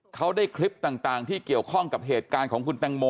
เขาได้คลิปต่างที่เกี่ยวข้องกับเหตุการณ์ของคุณแตงโม